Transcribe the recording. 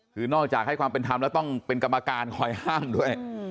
คือนอกจากให้ความเป็นธรรมแล้วต้องเป็นกรรมการคอยห้ามด้วย